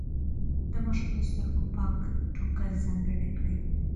د ماشوم د سترګو پاک ټوکر ځانګړی کړئ.